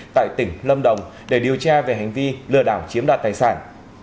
tại tỉnh lâm đồng để điều tra về hành vi lừa đảo chiếm đoạt tài sản